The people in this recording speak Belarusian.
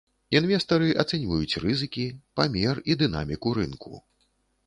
Інвестары ацэньваюць рызыкі, памер і дынаміку рынку.